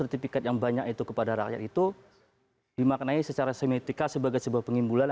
sertifikat yang banyak itu kepada rakyat itu dimaknai secara semiotika sebagai sebuah pengimbulan